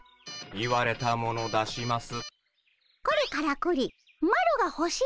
言われたもの出します。